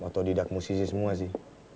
otodidak musisi semua sih